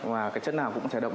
và cái chất nào cũng có thể động